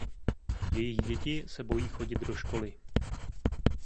Jejich děti se bojí chodit do školy.